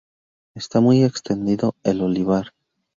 Está muy extendido el olivar.